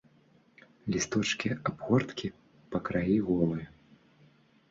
Лісточкі абгорткі па краі голыя.